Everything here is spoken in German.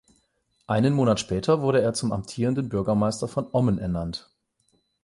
Einen Monat später wurde er zum amtierenden Bürgermeister von Ommen ernannt.